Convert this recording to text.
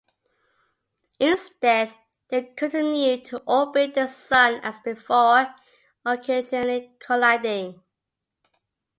Instead they continued to orbit the Sun as before, occasionally colliding.